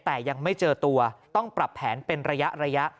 แต่ยังไม่เจอตัวต้องปรับแผนเป็นระยะ